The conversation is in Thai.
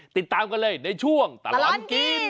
ติดตามกันเลยในช่วงตลอดกิน